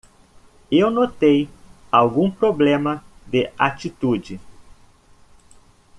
Eu notei algum problema de atitude?